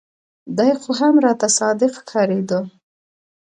دى خو هم راته صادق ښکارېده.